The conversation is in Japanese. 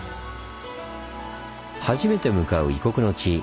初めて向かう異国の地。